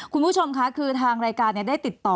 คุณผู้ชมค่ะคือทางรายการได้ติดต่อ